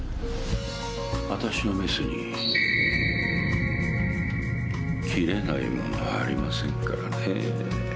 あたしのメスに切れないものはありませんからね。